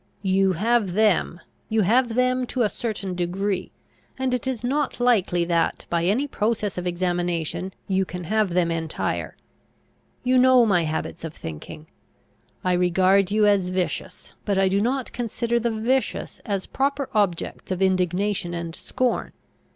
"You have them. You have them to a certain degree; and it is not likely that, by any process of examination, you can have them entire. You know my habits of thinking. I regard you as vicious; but I do not consider the vicious as proper objects of indignation and scorn.